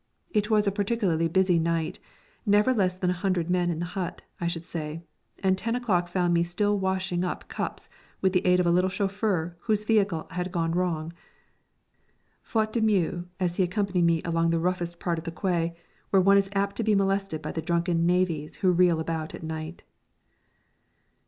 It was a particularly busy night, never less than a hundred men in the hut, I should say, and ten o'clock found me still washing up cups with the aid of a little chauffeur whose vehicle had gone wrong! Faute de mieux he accompanied me along the roughest part of the quay, where one is apt to be molested by the drunken navvies who reel about at night.